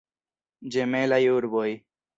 Ĝemelaj urboj.